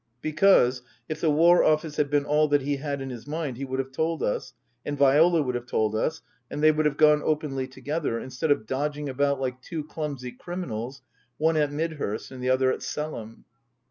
Because, if the War Office had been all that he had in his mind he would have told us, and Viola would have tgld us, and they would have gone openly together, instead of dodging about like two clumsy criminals, one at Midhurst and the other at Selham.